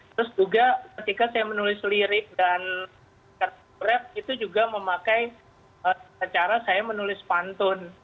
terus juga ketika saya menulis lirik dan kartu brep itu juga memakai cara saya menulis pantun